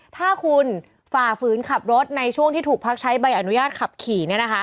ถ้าคุณฝ่าฝืนขับรถในช่วงที่ถูกพักใช้ใบอนุญาตขับขี่